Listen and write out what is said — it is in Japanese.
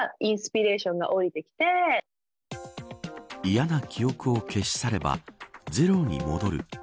嫌な記憶を消し去ればゼロに戻る。